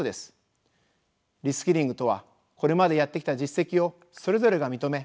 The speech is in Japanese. リスキリングとはこれまでやってきた実績をそれぞれが認め